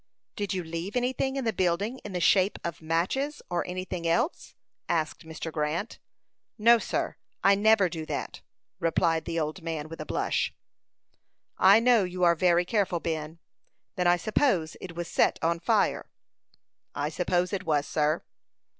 "Did you leave anything in the building in the shape of matches, or anything else?" asked Mr. Grant. "No, sir; I never do that," replied the old man, with a blush. "I know you are very careful, Ben. Then I suppose it was set on fire." "I suppose it was, sir."